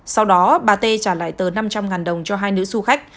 sau đó bà tê trả lại tờ năm trăm linh đồng cho hai nữ du khách